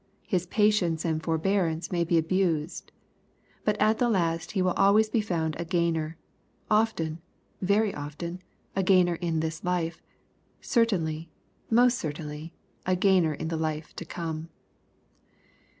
His patience and forbearance may be abused. But at the last he will always be found a gainer, — often, very often, a gainer in this life : cer tainly, most certainly, a gainer in the life to come.